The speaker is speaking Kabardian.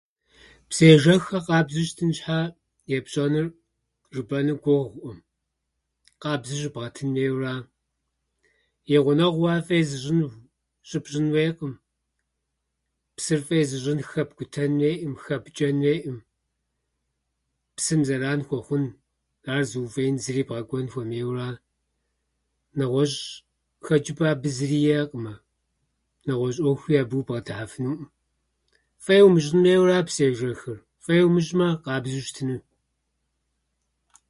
Псы ежэххэр къабзэу щытын щхьа епщӏэнур жыпӏэну гугъуӏым. Къабзэу щыбгъэтын хуейуэра. И гъунэгъуу ар фӏей зыщӏын щыпщӏын хуейкъым, псыр фӏей зыщӏын хэпкӏутэн хуейӏым, хэпчӏэн хуейӏым, псым зэран хуэхъун, ар зыуфӏеин зыри бгъэкӏуэн хуэмейуэ ара. Нэгъуэщӏ хэчӏыпӏэ абы зыри иӏэкъымэ. Нэгъуэщӏ ӏуэхууи абы убгъэдыхьэфынукъым. Фӏей умыщӏын хуейуэра псыежэхыр. Фӏей умыщӏмэ, къабзэу щытыну.